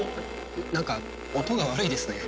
なんか音が悪いですね。